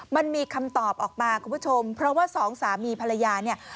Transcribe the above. มันมีคำตอบออกมาคุณผู้ชมเพราะว่าสองสามีภรรยาเนี่ย